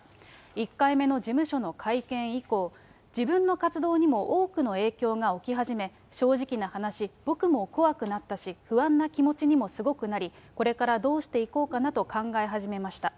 １回目の事務所の会見以降、自分の活動にも多くの影響が起き始め、正直な話、僕も怖くなったし、不安な気持ちにもすごくなり、これからどうしていこうかなと考え始めました。